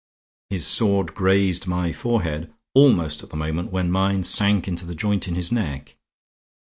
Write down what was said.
His sword grazed my forehead almost at the moment when mine sank into the joint in his neck.